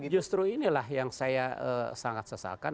justru inilah yang saya sangat sesalkan